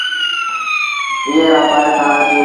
ايئي رآ پن کآرآ ٿئيٚݩ دآ۔